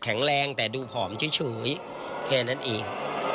แข็งแรงแต่ดูผอมเฉยเพราะแบบนั้นเอง